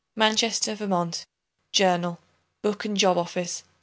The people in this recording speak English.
(Manchester, Vermont, Journal Book and Job Office, 1873.)"